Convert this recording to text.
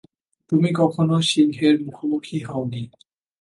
তুমি কখনো সিংহের মুখোমুখি হওনি।